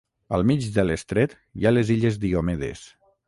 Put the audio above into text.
Al mig de l'estret hi ha les Illes Diomedes.